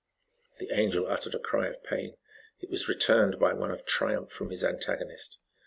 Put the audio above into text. The Angel uttered a cry of pain; it was returned by one of triumph from his antagonist.